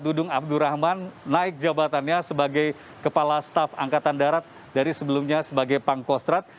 dudung abdurrahman naik jabatannya sebagai kepala staf angkatan darat dari sebelumnya sebagai pangkostrat